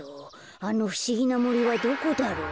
あのふしぎなもりはどこだろう？